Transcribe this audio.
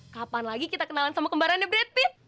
kapan lagi kita kenalan sama kembarannya brad pitt